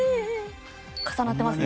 重なってますね。